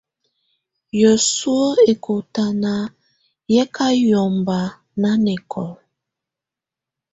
Yǝ́suǝ̀ ɛkɔ̀tana yɛ̀ kà yɔmba nanɛkɔla.